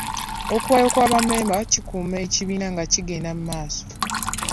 Okuwaayo kwa bammemba kikuuma ekibiina nga kigenda mu maaso.